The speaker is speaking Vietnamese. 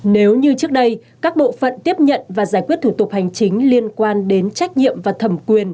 nếu như trước đây các bộ phận tiếp nhận và giải quyết thủ tục hành chính liên quan đến trách nhiệm và thẩm quyền